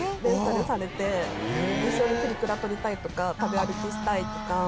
一緒にプリクラ撮りたいとか食べ歩きしたいとか。